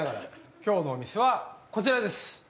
今日のお店はこちらです。